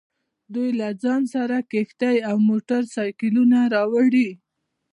دوی له ځان سره کښتۍ او موټر سایکلونه راوړي